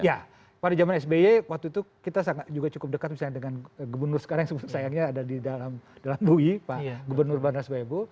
ya pada zaman sby waktu itu kita juga cukup dekat misalnya dengan gubernur sekarang yang sayangnya ada di dalam bui pak gubernur bandas baebo